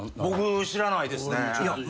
僕知らないですね。